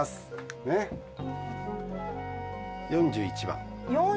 「４１番。